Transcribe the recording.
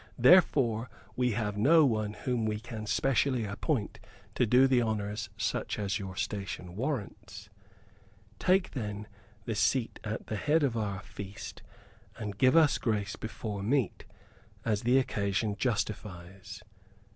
Therefore we have no one whom we can specially appoint to do the honors such as your station warrants. Take, then, the seat at the head of our feast and give us grace before meat, as the occasion justifies."